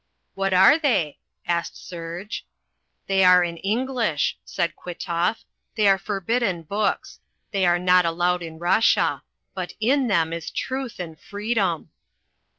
"What are they?" asked Serge. "They are in English," said Kwitoff. "They are forbidden books. They are not allowed in Russia. But in them is truth and freedom."